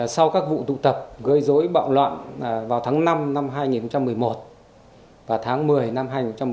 sau các vụ tụ tập gây dối bạo loạn vào tháng năm năm hai nghìn một mươi một và tháng một mươi năm hai nghìn một mươi tám